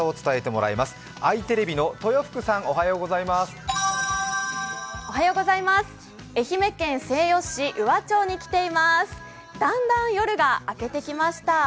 だんだん夜が明けてきました。